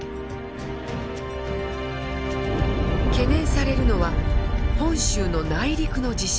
懸念されるのは本州の内陸の地震。